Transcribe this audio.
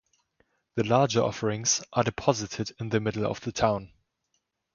The larger offerings are deposited in the middle of the town.